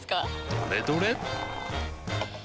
どれどれっ！